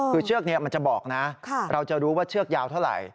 คือเชือกนี้มันจะบอกนะเราจะรู้ว่าเชือกยาวเท่าไหร่